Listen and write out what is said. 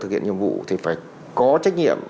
thực hiện nhiệm vụ thì phải có trách nhiệm